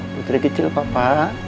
putri kecil papa